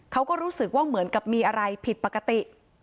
เขาก็รู้สึกว่าเหมือนกับมีอะไรผิดปกติ